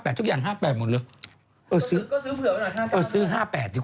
ไปฟังกันสิกระดูกหนึ่ง